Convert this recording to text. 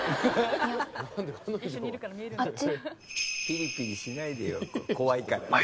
ピリピリしないでよ怖いからって。